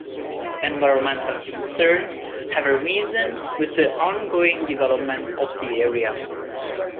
Environmental concerns have arisen with the ongoing development of the area.